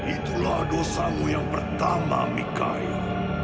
itulah dosamu yang pertama mikai